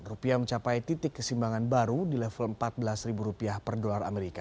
rupiah mencapai titik kesimbangan baru di level empat belas rupiah per dolar amerika